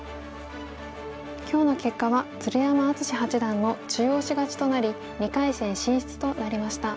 今日の結果は鶴山淳志八段の中押し勝ちとなり２回戦進出となりました。